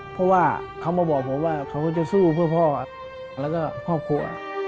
เพราะว่าเขามาบอกผมว่าเขาก็จะสู้เพื่อพ่อแล้วก็ครอบครัว